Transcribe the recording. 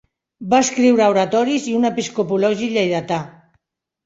Va escriure oratoris i un episcopologi lleidatà.